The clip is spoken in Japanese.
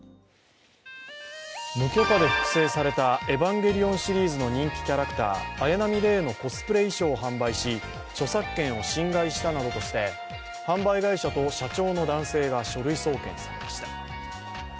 無許可で複製された「エヴァンゲリオン」シリーズの人気キャラクター綾波レイのコスプレ衣装を販売し著作権を侵害したなどとして販売会社と社長の男性が書類送検されました。